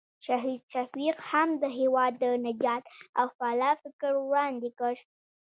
شهید شفیق هم د هېواد د نجات او فلاح فکر وړاندې کړ.